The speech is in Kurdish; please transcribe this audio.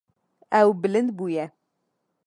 Ew bilind bûye.